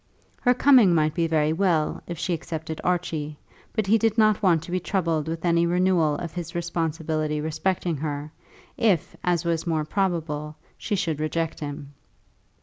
Her coming might be very well if she accepted Archie; but he did not want to be troubled with any renewal of his responsibility respecting her, if, as was more probable, she should reject him.